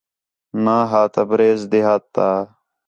ناں ہا تبریز دیہات تا